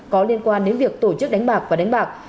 có liên quan đến việc tổ chức đánh bạc và đánh bạc